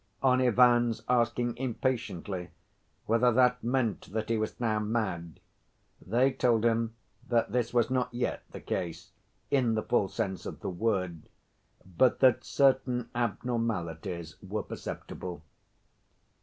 On Ivan's asking impatiently whether that meant that he was now mad, they told him that this was not yet the case, in the full sense of the word, but that certain abnormalities were perceptible.